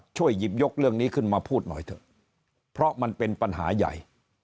ช่วยหยิบยกเรื่องนี้ขึ้นมาพูดหน่อยเถอะเพราะมันเป็นปัญหาใหญ่